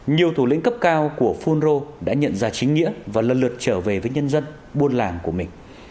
nhiều thủ lĩnh cấp cao của phun rô đã nhận ra chính nghĩa và lần lượt trở về với nhân dân buôn làng của mình